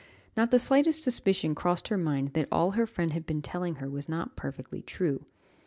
Not the slightest suspicion crossed her mind that all her friend had been telling her was not perfectly true.